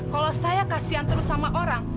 kalau saya kasian terus sama orang